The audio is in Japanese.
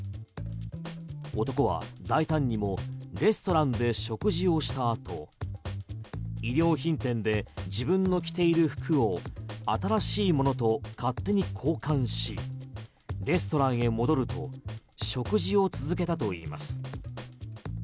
男は大胆にもレストランで食事をしたあと衣料品店で自分の着ている服を新しいものと勝手に交換しレストランへ戻ると食事を続けたといいます。